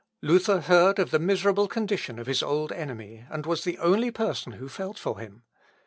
Luther heard of the miserable condition of his old enemy, and was the only person who felt for him.